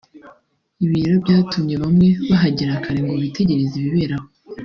ibi rero byatumye bamwe bahagera kare ngo bitegereze ibibera aho